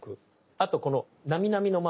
あとこのなみなみのマーク。